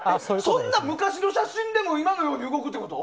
そんな昔の写真でも今のように動くってこと？